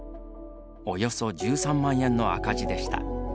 およそ１３万円の赤字でした。